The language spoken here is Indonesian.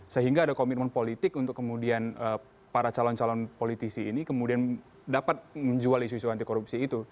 sehingga ada komitmen politik untuk kemudian para calon calon politisi ini kemudian dapat menjual isu isu anti korupsi itu